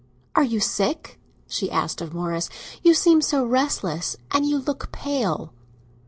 "Are you sick?" she asked of Morris. "You seem so restless, and you look pale."